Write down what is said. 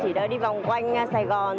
chỉ để đi vòng quanh sài gòn